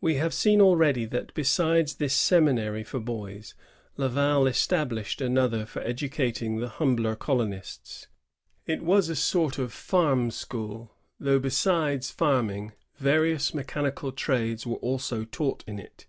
We have seen already, that, besides this seminary for boys, Laval esteblished another for educating the humbler colonists. It was a sort of farm school; though besides farming, various mechanical trades were also taught in it.